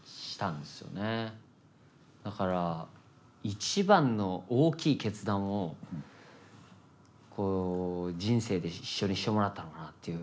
だから一番の大きい決断を人生で一緒にしてもらったのかなっていう先生ですよね。